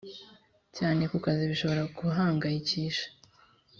cyane ku kazi bishobora guhangayikisha